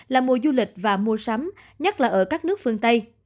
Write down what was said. là mùa du lịch và mua sắm nhất là ở các nước phương tây